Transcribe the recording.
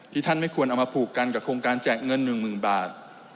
ท่านไม่ควรเอามาผูกกันกับโครงการแจกเงิน๑๐๐๐บาท